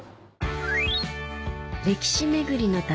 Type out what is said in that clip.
歴史巡りの旅